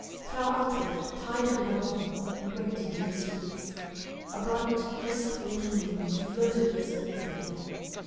Frau Altgelt tied her bonnet on and went Into the streets. A bright, crisp Autumn wind Flirted her skirts and hair.